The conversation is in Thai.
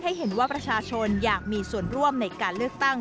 ให้เห็นว่าประชาชนอยากมีส่วนร่วมในการเลือกตั้ง